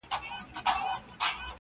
خو نه بینا سول نه یې سترګي په دعا سمېږي-